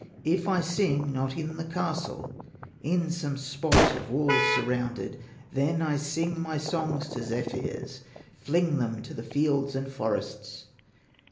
If I sing not in the castle, In some spot by walls surrounded, Then I sing my songs to zephyrs, Fling them to the fields and forests."